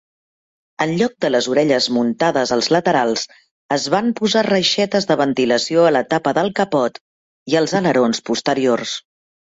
En lloc de les "orelles" muntades als laterals, es van posar reixetes de ventilació a la tapa del capot i als alerons posteriors.